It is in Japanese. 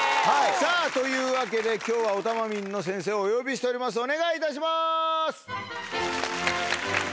さぁというわけで今日はオタマミンの先生をお呼びしておりますお願いいたします。